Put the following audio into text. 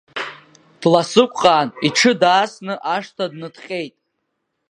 Дласықуҟааны, иҽы даасны ашҭа дныҭҟьеит.